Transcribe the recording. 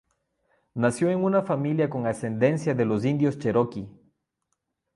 Nació en una familia con ascendencia de los indios cherokee.